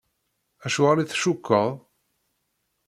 Acuɣer i tcukkeḍ?